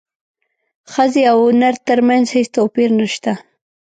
ښځې او نر ترمنځ هیڅ توپیر نشته